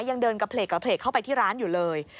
ยังเดินกระเพลกเข้าไปที่ร้านอยู่เลย